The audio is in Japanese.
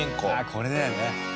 これだよね。